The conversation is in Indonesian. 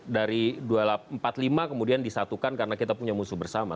dari empat puluh lima kemudian disatukan karena kita punya musuh bersama